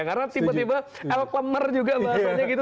karena tiba tiba elklamer juga bahasanya gitu